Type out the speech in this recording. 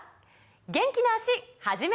元気な脚始めましょう！